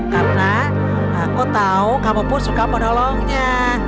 karena aku tahu kamu pun suka menolongnya